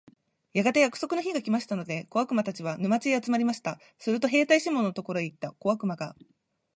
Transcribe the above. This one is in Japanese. やがて約束の日が来ましたので、小悪魔たちは、沼地へ集まりました。すると兵隊シモンのところへ行った小悪魔が、